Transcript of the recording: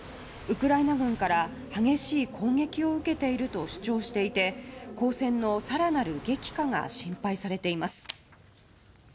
ウクライナ軍から激しい攻撃を受けていると主張していて交戦の更なる激化が心配されています。